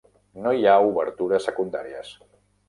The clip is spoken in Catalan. No hi ha obertures secundàries.